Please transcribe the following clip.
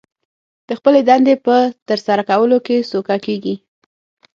د خپلې دندې په ترسره کولو کې سوکه کېږي